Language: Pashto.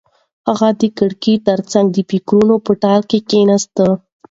هغه د کړکۍ تر څنګ د فکرونو په ټال کې کېناسته.